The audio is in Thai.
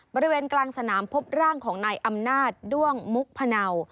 บริเวณกลางสนามพบร่างของนายอำนาจด้วงมุกพะเนา